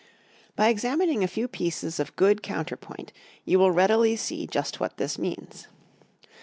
By examining a few pieces of good counterpoint you will readily see just what this means.